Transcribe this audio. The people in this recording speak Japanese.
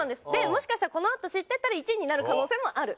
もしかしたらこのあと知っていったら１位になる可能性もある。